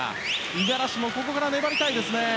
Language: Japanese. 五十嵐もここから粘りたいですね。